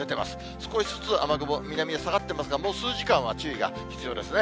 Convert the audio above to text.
少しずつ雨雲、南へ下がっていますが、もう数時間は注意が必要ですね。